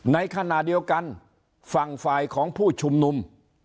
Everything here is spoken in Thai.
ในขณะเดียวกันฝั่งฝ่ายของผู้ชุมนุม